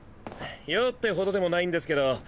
用ってほどでもないんですけど。